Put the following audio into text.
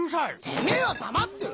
てめぇは黙ってろ！